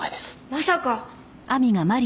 まさか。